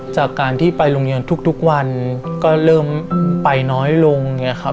จากการที่ไปโรงเรียนทุกวันก็เริ่มไปน้อยลง